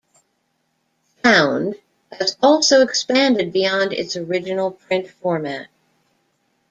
"Found" has also expanded beyond its original print format.